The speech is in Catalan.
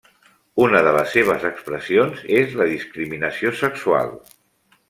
Una de les seves expressions és la discriminació sexual.